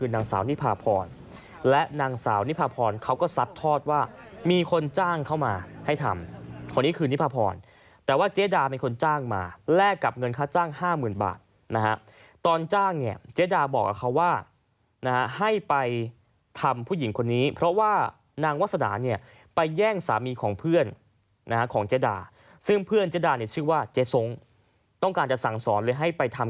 นางสาวนิพาพรและนางสาวนิพาพรเขาก็ซัดทอดว่ามีคนจ้างเข้ามาให้ทำคนนี้คือนิพาพรแต่ว่าเจ๊ดาเป็นคนจ้างมาแลกกับเงินค่าจ้างห้าหมื่นบาทนะฮะตอนจ้างเนี่ยเจ๊ดาบอกกับเขาว่านะฮะให้ไปทำผู้หญิงคนนี้เพราะว่านางวัสดาเนี่ยไปแย่งสามีของเพื่อนนะฮะของเจ๊ดาซึ่งเพื่อนเจ๊ดาเนี่ยชื่อว่าเจ๊สงต้องการจะสั่งสอนเลยให้ไปทำ